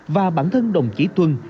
và bản thân đồng chí tuân